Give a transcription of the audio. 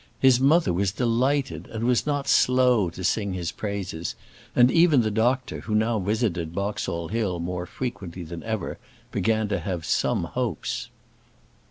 His mother was delighted, and was not slow to sing his praises; and even the doctor, who now visited Boxall Hill more frequently than ever, began to have some hopes.